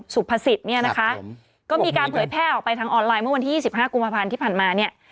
สุภสิทธิ์เนี่ยนะคะก็มีการเผยแพร่ออกไปทางออนไลน์เมื่อวันที่๒๕กุมภาพันธ์ที่ผ่านมาเนี่ย